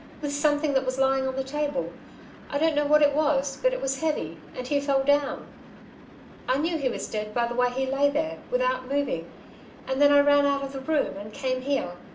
with something that was lying on the table. I don't know what it was, but it was heavy and he fell down. "I knew he was dead by the way he lay there, without moving and then I ran out of the room and came here.